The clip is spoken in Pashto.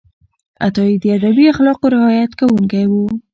عطایي د ادبي اخلاقو رعایت کوونکی و.